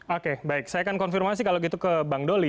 oke baik saya akan konfirmasi kalau gitu ke bang doli